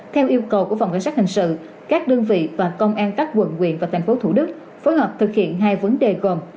theo yêu cầu của phòng cảnh sát hình sự các đơn vị và công an các quận quyện và tp thủ đức phối hợp thực hiện hai vấn đề gồm